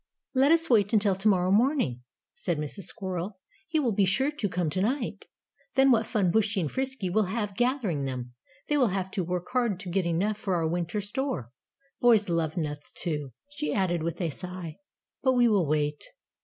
"Let us wait until to morrow morning," said Mrs. Squirrel, "he will be sure to come to night. Then what fun Bushy and Frisky will have gathering them. They will have to work hard to get enough for our winter store. Boys love nuts, too," she added with a sigh. "But we will wait."